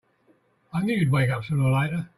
I knew you'd wake up sooner or later!